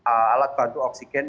alat bantu oksigen